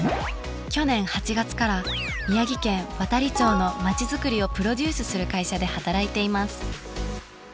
去年８月から宮城県亘理町のまちづくりをプロデュースする会社で働いています。